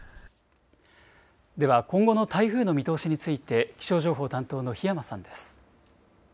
では今後の台風の見通しについて気象情報担当の檜山さんです。